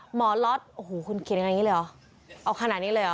หมอล็อตโอ้โหคุณเขียนอย่างนี้เลยเหรอเอาขนาดนี้เลยเหรอ